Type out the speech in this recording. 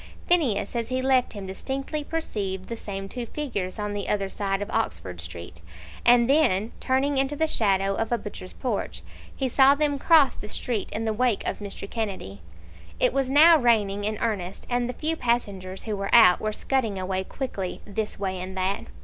Phineas as he left him distinctly perceived the same two figures on the other side of Oxford Street, and then turning into the shadow of a butcher's porch, he saw them cross the street in the wake of Mr. Kennedy. It was now raining in earnest, and the few passengers who were out were scudding away quickly, this way and that.